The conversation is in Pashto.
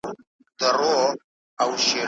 د سم پلان په جوړولو سره به ملي عايد لوړ سي.